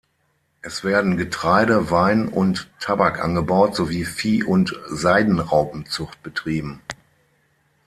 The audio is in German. Es werden Getreide, Wein und Tabak angebaut sowie Vieh- und Seidenraupenzucht betrieben.